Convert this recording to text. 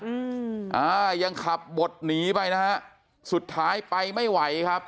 อืมอ่ายังขับบดหนีไปนะฮะสุดท้ายไปไม่ไหวครับ